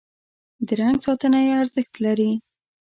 د رنګ ساتنه یې ارزښت لري.